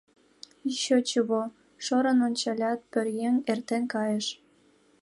— Еще чего? — шӧрын ончалят, пӧръеҥ эртен кайыш.